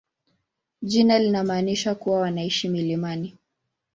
Jina linamaanisha kuwa wanaishi milimani.